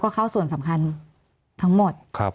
มีความรู้สึกว่ามีความรู้สึกว่า